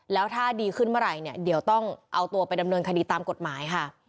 แล้วถ้าดีขึ้นเมื่อไหร่เนี่ยเดี๋ยวต้องเอาตัวไปดำเนินคดีตามกฎหมายค่ะ